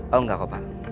oh enggak kok pak